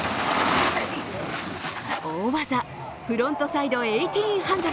大技、フロントサイド１０８０。